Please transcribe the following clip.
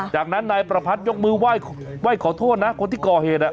จากนั้นนายประพัทธยกมือไหว้ขอโทษนะคนที่ก่อเหตุ